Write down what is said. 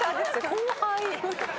後輩。